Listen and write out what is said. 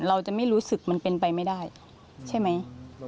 เราจะไม่รู้สึกมันเป็นไปไม่ได้ใช่ไหม